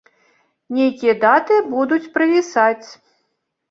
Нейкія даты будуць правісаць.